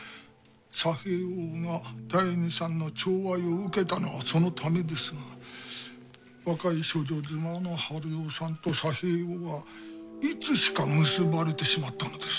佐兵衛翁が大弐さんのちょう愛を受けたのはそのためですが若い処女妻の晴世さんと佐兵衛翁はいつしか結ばれてしまったのです。